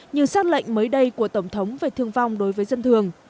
như xác lệnh mới đây của tổng thống về thương vong đối với dân thường